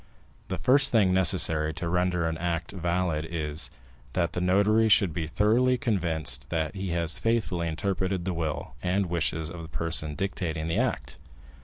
The first thing necessary to render an act valid is, that the notary should be thoroughly convinced that he has faithfully interpreted the will and wishes of the person dictating the act.